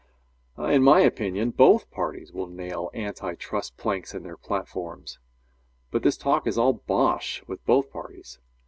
Answer. In my opinion, both parties will nail anti trust planks in their platforms. But this talk is all bosh with both parties.